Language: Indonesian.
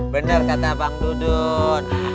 bener kata bang dudut